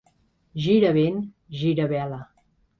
Gira vent, gira vela.